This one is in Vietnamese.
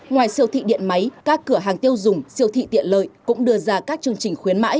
ngoài siêu thị điện máy các cửa hàng tiêu dùng siêu thị tiện lợi cũng đưa ra các chương trình khuyến mãi